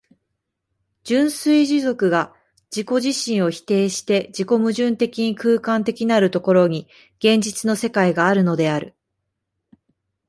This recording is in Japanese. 純粋持続が自己自身を否定して自己矛盾的に空間的なる所に、現実の世界があるのである。